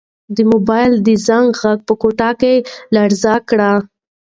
د موبایل د زنګ غږ په کوټه کې لړزه کړه.